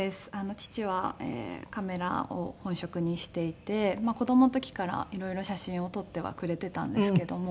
父はカメラを本職にしていて子供の時から色々写真を撮ってはくれていたんですけども。